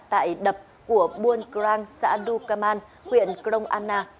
tại đập của buôn crang xã đu cà man huyện kroana